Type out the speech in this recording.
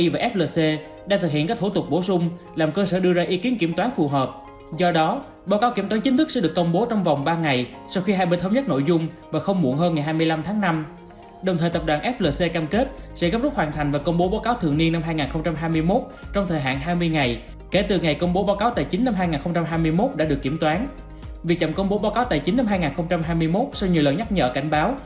việc chậm công bố báo cáo tài chính năm hai nghìn hai mươi một sau nhiều lần nhắc nhở cảnh báo